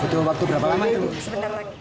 butuh waktu berapa lama itu